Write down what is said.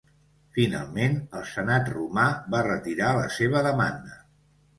Finalment el senat romà va retirar la seva demanda.